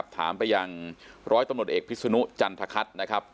ถามไปอย่างรตำรวจเอกพิสุนุจันทคัตนะครับ